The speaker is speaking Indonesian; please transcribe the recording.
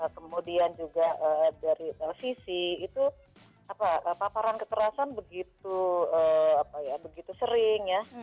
kemudian juga dari televisi itu paparan kekerasan begitu sering ya